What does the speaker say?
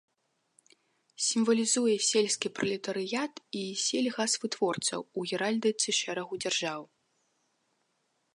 Сімвалізуе сельскі пралетарыят і сельгасвытворцаў у геральдыцы шэрагу дзяржаў.